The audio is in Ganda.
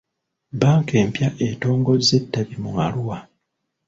Bbanka empya etongozza ettabi mu Arua .